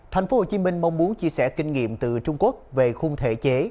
thành phố hồ chí minh mong muốn chia sẻ kinh nghiệm từ trung quốc về khung thể chế